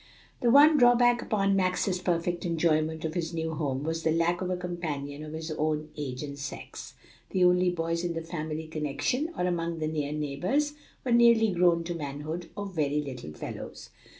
The one drawback upon Max's perfect enjoyment of his new home was the lack of a companion of his own age and sex; the only boys in the family connection, or among the near neighbors, were nearly grown to manhood or very little fellows.